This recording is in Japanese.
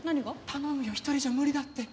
頼むよ一人じゃ無理だって。